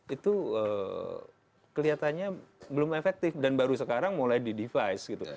itu kelihatannya belum efektif dan baru sekarang mulai di device gitu